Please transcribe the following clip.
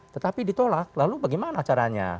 tetapi ditolak lalu bagaimana caranya